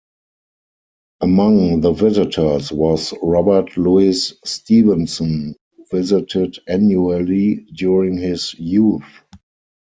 Among the visitors was Robert Louis Stevenson who visited annually during his youth.